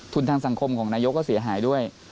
ทางสังคมของนายกก็เสียหายด้วย